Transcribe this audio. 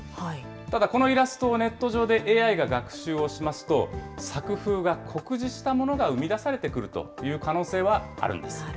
ただ、このイラストをネット上でＡＩが学習をしますと、作風が酷似したものが生み出されてくるという可能性はあるんです。